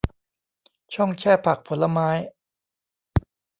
ช่องแช่ผักผลไม้